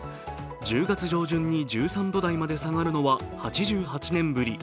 １０月上旬に１３度台まで下がるのは８８年ぶり。